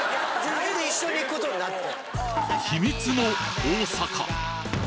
なんで一緒に行くことになって。